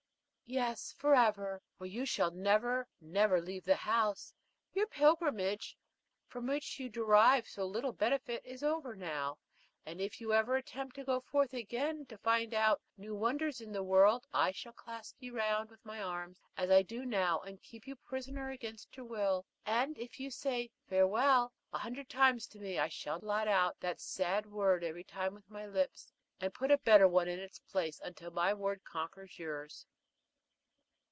"Yes, for ever, for you shall never, never leave the house. Your pilgrimage, from which you derived so little benefit, is over now. And if you ever attempt to go forth again to find out new wonders in the world, I shall clasp you round with my arms, as I do now, and keep you prisoner against your will; and if you say 'Farewell' a hundred times to me, I shall blot out that sad word every time with my lips, and put a better one in its place, until my word conquers yours."